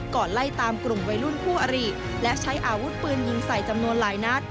ไล่ตามกลุ่มวัยรุ่นคู่อริและใช้อาวุธปืนยิงใส่จำนวนหลายนัด